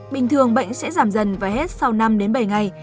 bình thường bệnh sẽ giảm dần và hết sau năm đến bảy ngày